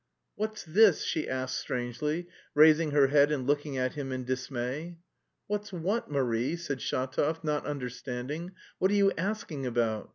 "What's this," she asked strangely, raising her head and looking at him in dismay. "What's what, Marie?" said Shatov, not understanding. "What are you asking about?